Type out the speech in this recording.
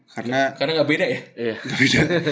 karena gak beda ya